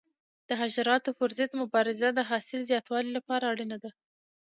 د حشراتو پر ضد مبارزه د حاصل زیاتوالي لپاره اړینه ده.